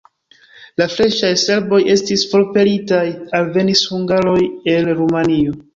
La freŝaj serboj estis forpelitaj, alvenis hungaroj el Rumanio.